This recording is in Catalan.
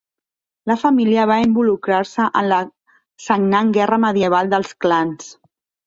La família va involucrar-se en la sagnant Guerra medieval dels Clans.